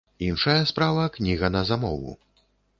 Іншая справа кніга на замову.